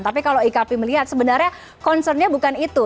tapi kalau ikp melihat sebenarnya concern nya bukan itu